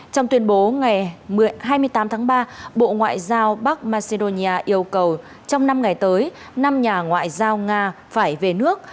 trong tuyên bố ngày hai mươi tám tháng ba bộ ngoại giao bắc macedonia yêu cầu trong năm ngày tới năm nhà ngoại giao nga phải về nước